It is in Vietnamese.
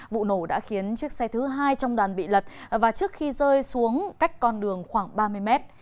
vụ nổ đã khiến chiếc xe thứ hai trong đoàn bị lật và trước khi rơi xuống cách con đường khoảng ba mươi mét